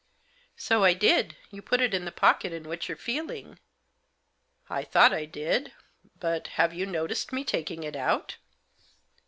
"So I did. You put it in the pocket in which you're feeling." "I thought I did. But — have you noticed me taking it out